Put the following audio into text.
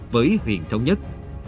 với huyện thống nhất